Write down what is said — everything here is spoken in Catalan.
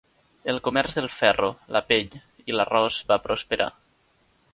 El comerç del ferro, la pell i l'arròs va prosperar.